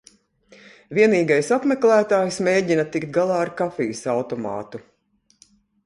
Vienīgais apmeklētājs mēģina tikt galā ar kafijas automātu.